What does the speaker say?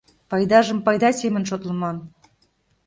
Пайдажым пайда семын шотлыман.